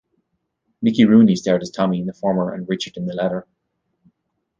Mickey Rooney starred as Tommy in the former and Richard in the latter.